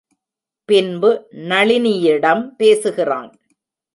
பின்பு நளினியிடம் பேசுகிறான்.